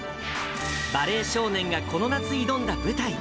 バレエ少年がこの夏挑んだ舞台。